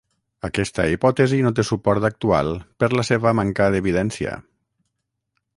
Aquesta hipòtesi no té suport actual per la seva manca d'evidència.